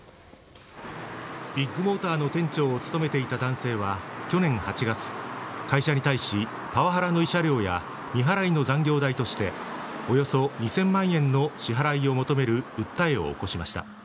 ビッグモーターの店長を務めていた男性は去年８月、会社に対しパワハラの慰謝料や未払いの残業代としておよそ２０００万円の支払いを求める訴えを起こしました。